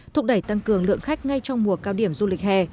thúc đẩy tăng cường lượng khách ngay trong mùa cao điểm du lịch hè